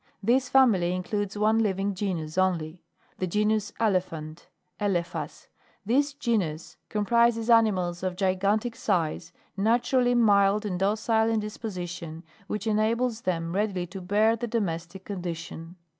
This family includes one living genus only. 18. The Genus ELEPHANT, Elephas, This genus (Plate 5, Jig. 1, and 2.) comprises animals of gigantic size, naturally mild and docile in disposition, which enables them readily to bear the domestic condition.